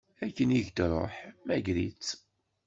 Akken i k-d-tṛuḥ, mmager-itt.